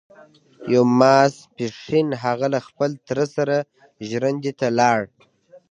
يو ماسپښين هغه له خپل تره سره ژرندې ته لاړ.